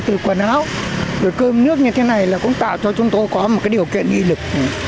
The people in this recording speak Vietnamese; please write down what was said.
tủ quần áo từ cơm nước như thế này là cũng tạo cho chúng tôi có một điều kiện y lực